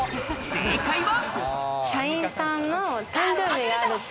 正解は。